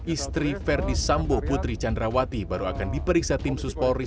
istri verdi sambo putri candrawati baru akan diperiksa tim suspori